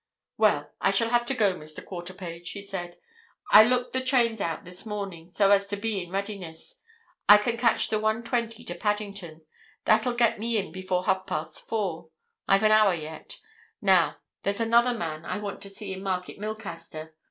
"Well, I shall have to go, Mr. Quarterpage," he said. "I looked the trains out this morning so as to be in readiness. I can catch the 1.20 to Paddington—that'll get me in before half past four. I've an hour yet. Now, there's another man I want to see in Market Milcaster.